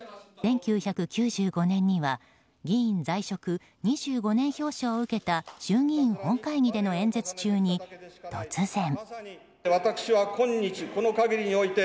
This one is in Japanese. １９９５年には議員在職２５年表彰を受けた衆議院本会議での演説中に突然。